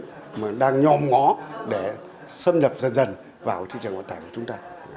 thị trường vận tải thế giới đang nhòm ngõ để xâm nhập dần dần vào thị trường vận tải của chúng ta